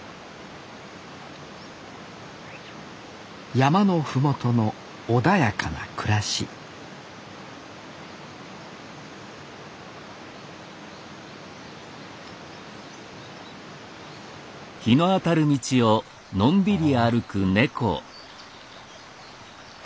山の麓の穏やかな暮らしあ。